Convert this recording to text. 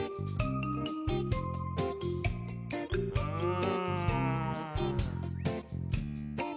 うん。